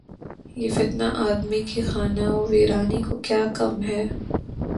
یہ فتنہ‘ آدمی کی خانہ ویرانی کو کیا کم ہے؟